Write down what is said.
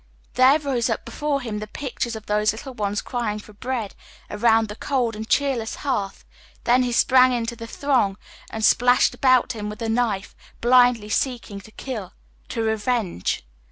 There rose up before him the pict ure of those little ones crying for bread around the cold and cheerless hearth — then he sprang into the throng and slashed about him with a knife, blindly seeking to kill, to revenge.